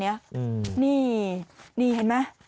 นี่เห็นไหม